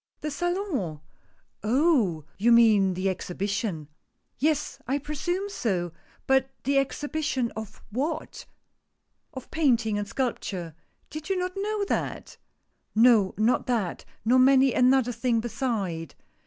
"The Salon? Oh! you mean the Exhibition." "Yes, I presume so — but the Exhibition of what ?" "Of Painting and Sculpture. Did you not know that?" "No, not that, nor many another thing beside.